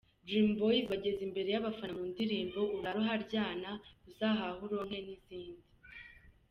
Dream Boyz bageze imbere y’abafana mu ndirimbo ’Urare aharyana’, ’Uzahahe uronke’ n’izindi.